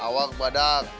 awal ke badak